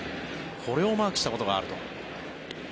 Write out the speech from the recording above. これをマークしたことがあると。